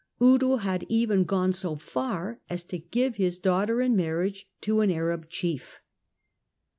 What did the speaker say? Eudo had even gone so far as to give lis daughter in marriage to an Arab chief.